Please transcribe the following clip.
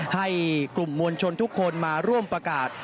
ให้กลุ่มมวลชนทุกคนมาร่วมประกาศ